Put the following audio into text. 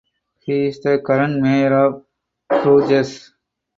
He is the current mayor of Bruges.